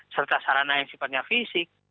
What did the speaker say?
serta sarana yang sifatnya fisik